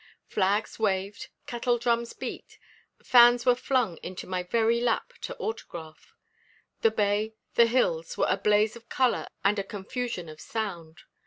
Flags waved, kettledrums beat, fans were flung into my very lap to autograph. The bay, the hills, were a blaze of color and a confusion of sound.